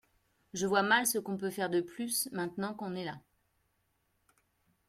Je vois mal ce qu’on peut faire de plus maintenant qu’on est là